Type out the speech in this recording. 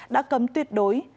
đã cấm tuyệt đối